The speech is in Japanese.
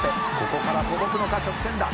ここから届くのか直線だ］